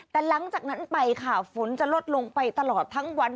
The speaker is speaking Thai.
แต่หลังจากนั้นไปค่ะฝนจะลดลงไปตลอดทั้งวัน